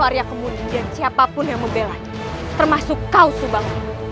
waria kemudi dan siapapun yang membelanya termasuk kau subang